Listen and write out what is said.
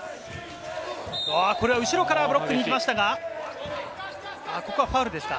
これは後ろからブロックに行きましたがここはファウルですか？